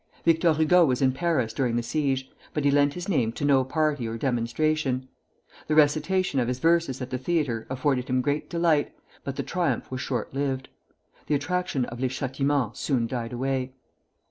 Victor Hugo was in Paris during the siege, but he lent his name to no party or demonstration. The recitation of his verses at the theatre afforded him great delight, but the triumph was short lived. The attraction of "Les Châtiments" soon died away.